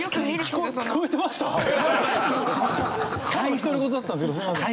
独り言だったんですけどすいません。